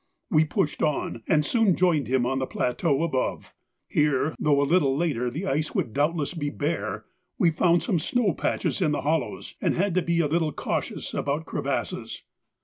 We pushed on, and soon joined him on the plateau above. Here, though a little later the ice would doubtless be bare, we found some snow patches in the hollows, and had to be a little cautious about crevasses.